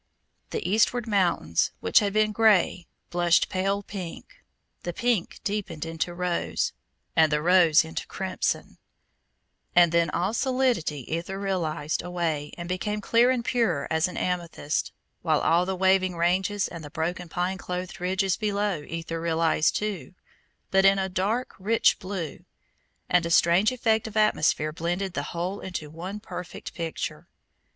The eastward mountains, which had been grey, blushed pale pink, the pink deepened into rose, and the rose into crimson, and then all solidity etherealized away and became clear and pure as an amethyst, while all the waving ranges and the broken pine clothed ridges below etherealized too, but into a dark rich blue, and a strange effect of atmosphere blended the whole into one perfect picture.